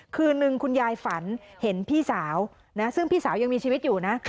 คืนนึงคุณยายฝันเห็นพี่สาวซึ่งพี่สาวยังมีชีวิตอยู่นะ